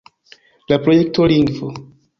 La projekto lingvo.